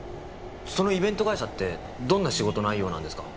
そのイベント会社ってどんな仕事内容なんですか？